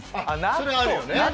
それあるよね